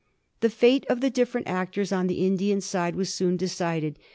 273 The fate of the different actors on the Indian side was soon decided.